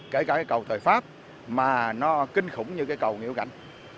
kể cả cây cầu thời pháp mà nó kinh khủng như cây cầu nguyễn hữu cảnh